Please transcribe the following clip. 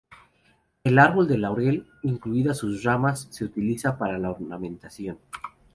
El árbol de laurel, incluidas sus ramas, se utiliza para ornamentación.